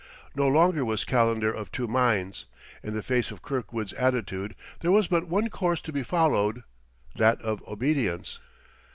No longer was Calendar of two minds. In the face of Kirkwood's attitude there was but one course to be followed: that of obedience.